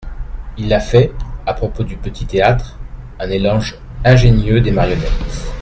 Il a fait, à propos du Petit-Théâtre, un éloge ingénieux des marionnettes.